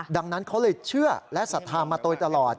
ดังนั้นเขาเลยเชื่อและศรัทธามาโดยตลอด